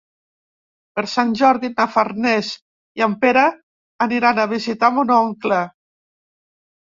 Per Sant Jordi na Farners i en Pere aniran a visitar mon oncle.